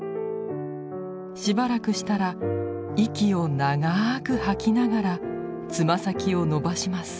しばらくしたら息を長く吐きながらつま先を伸ばします。